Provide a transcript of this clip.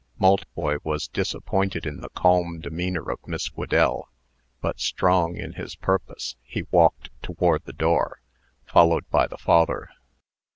Maltboy was disappointed in the calm demeanor of Miss Whedell; but, strong in his purpose, he walked toward the door, followed by the father.